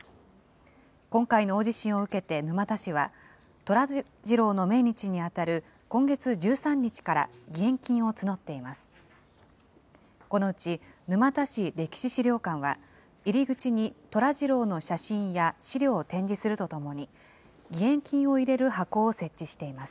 今回の大地震を受けて沼田市は、寅次郎の命日に当たる今月１３日から義援金を募っています。